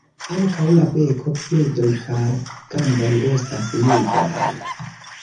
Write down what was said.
Ankaŭ la beko, piedoj kaj gamboj estas nigraj.